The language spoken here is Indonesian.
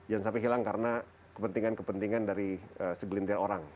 jangan sampai hilang karena kepentingan kepentingan dari segelintir orang